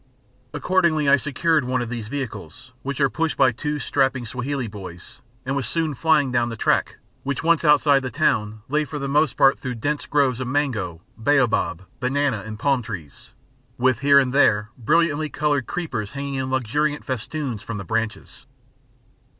Accordingly, I secured one of these vehicles, which are pushed by two strapping Swahili boys, and was soon flying down the track, which once outside the town lay for the most part through dense groves of mango, baobab, banana and palm trees, with here and there brilliantly coloured creepers hanging in luxuriant festoons from the branches.